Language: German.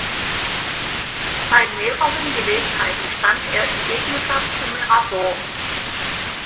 Bei mehreren Gelegenheiten stand er in Gegnerschaft zu Mirabeau.